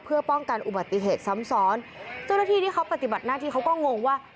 เพื่อป้องกันอุบัติเหตุซ้ำซ้อนเจ้าหน้าที่ที่เขาปฏิบัติหน้าที่เขาก็งงว่า